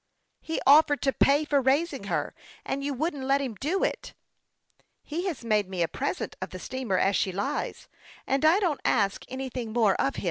" He offered to pay for raising her, and you Vvouldn't let him do it !"" He has made me a present of the steamer as she lies ; and I don't ask anything more of him.